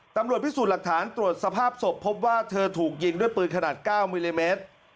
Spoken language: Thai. ตำรวจพิสูจน์หลักฐานตรวจสภาพศพพบว่าเธอถูกยิงด้วยปืนขนาด๙มิลลิเมตร